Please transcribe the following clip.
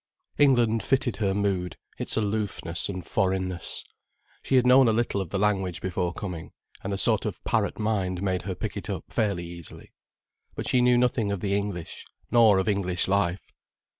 England fitted her mood, its aloofness and foreignness. She had known a little of the language before coming, and a sort of parrot mind made her pick it up fairly easily. But she knew nothing of the English, nor of English life.